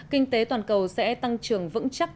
kinh tế toàn cầu sẽ tăng trưởng vững chắc